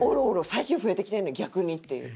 最近増えてきてんねん逆にっていう。